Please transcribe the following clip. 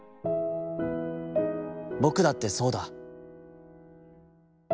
僕だってさうだ』。